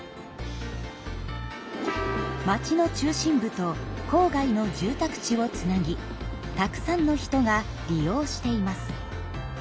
町の中心部と郊外の住宅地をつなぎたくさんの人が利用しています。